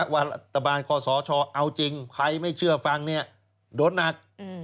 วัตตาบาลคศเอาจริงใครไม่เชื่อฟังเนี่ยโดนหนัก